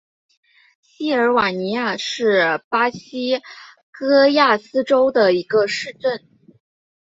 锡尔瓦尼亚是巴西戈亚斯州的一个市镇。